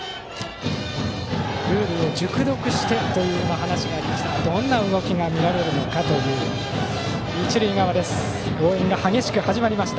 ルールを熟読してという話がありましたがどんな動きが見られるのかという一塁側応援が激しく始まりました。